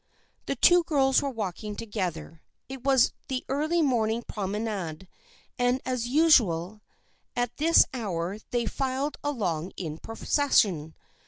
The two girls were walking together. It was the early morning promenade, and as usual at this hour they filed along in procession.